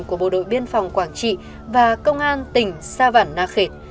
của bộ đội biên phòng quảng trị và công an tỉnh sa văn na khệt